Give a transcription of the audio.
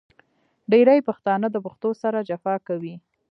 ډېری پښتانه د پښتو سره جفا کوي .